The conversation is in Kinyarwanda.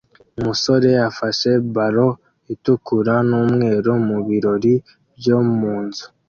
Umusore afashe ballon itukura n'umweru mu birori byo mu nzu